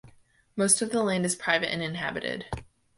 Most of the land is private and inhabited.